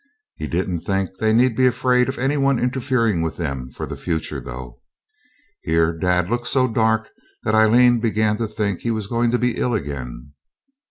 He didn't think they need be afraid of any one interfering with them for the future, though. Here dad looked so dark that Aileen began to think he was going to be ill again.